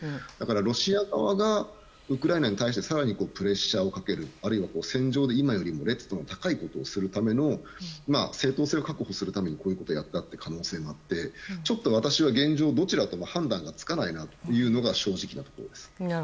ロシア側がウクライナに対して更にプレッシャーをかけるあるいは戦場で今よりも度が高いことをするための正当性を確保するためにこういうことをやった可能性もあってちょっと私は現状どちらとも判断がつかないというのが正直なところです。